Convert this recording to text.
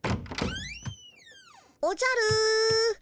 おじゃる。